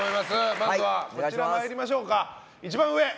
まずはこちらにまいりましょうか。